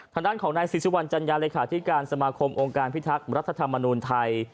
ทางด้านของนาย๔๑จัญญาริขาธิการสมาคมองค์การพิทักษ์รัฐธรรมนุนไทย